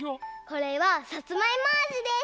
これはさつまいもあじです！